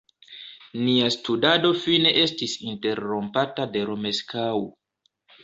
Nia studado fine estis interrompata de Romeskaŭ.